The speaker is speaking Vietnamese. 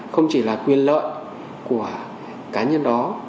không chỉ là quyền lợi của cá nhân đó